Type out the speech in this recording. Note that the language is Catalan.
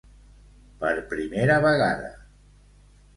Per primera vegada.